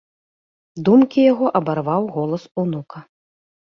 Думкі яго абарваў голас унука.